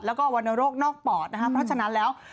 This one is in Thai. แล้วก็วรรณโรคนอกปอดนะครับเพราะฉะนั้นแล้ว